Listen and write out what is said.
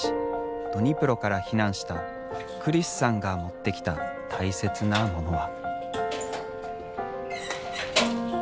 ドニプロから避難したクリスさんが持ってきた大切なモノは。